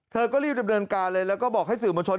เธอก็รีบดำเนินการเลยแล้วก็บอกให้สื่อมวลชน